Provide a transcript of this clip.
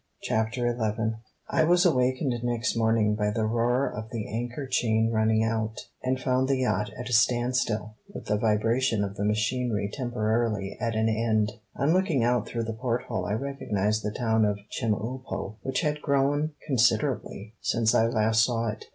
CHAPTER XI I was awakened next morning by the roar of the anchor chain running out, and found the yacht at a standstill, with the vibration of the machinery temporarily at an end. On looking out through the porthole I recognized the town of Chemulpo, which had grown considerably since I last saw it.